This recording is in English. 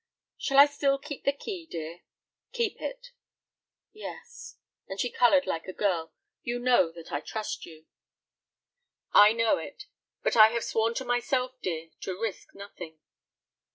"Shall I still keep the key, dear?" "Keep it." "Yes," and she colored like a girl, "you know that I trust you." "I know it, but I have sworn to myself, dear, to risk nothing."